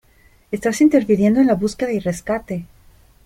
¡ Estás interfiriendo en la búsqueda y rescate!